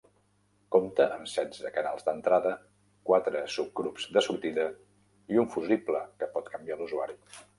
Compta amb setze canals d'entrada, quatre subgrups de sortida i un fusible que pot canviar l'usuari.